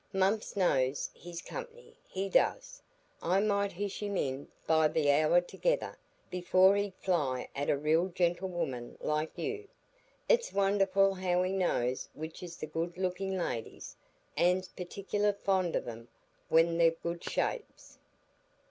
Mumps knows his company,—he does. I might hish at him by th' hour together, before he'd fly at a real gentlewoman like you. It's wonderful how he knows which is the good looking ladies; and's partic'lar fond of 'em when they've good shapes.